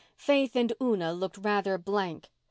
Faith and Una looked rather blank.